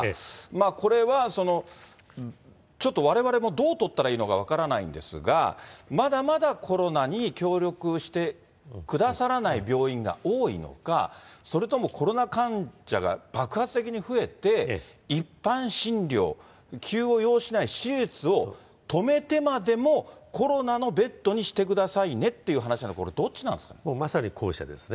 これは、ちょっとわれわれもどう取ったらいいのか分からないんですが、まだまだコロナに協力してくださらない病院が多いのか、それともコロナ患者が爆発的に増えて、一般診療、急を要しない手術を止めてまでも、コロナのベッドにしてくださいねっていう話なのか、これ、まさに後者ですね。